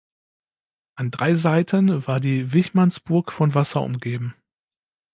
An drei Seiten war die Wichmannsburg von Wasser umgeben.